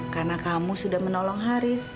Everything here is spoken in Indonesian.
karena kamu sudah menolong haris